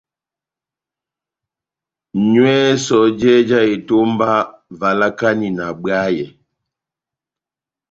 Nywɛ sɔjɛ já etomba, valakani na bwayɛ.